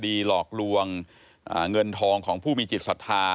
หลอกลวงเงินทองของผู้มีจิตศรัทธา